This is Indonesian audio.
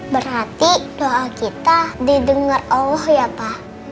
berarti doa kita didengar allah ya pak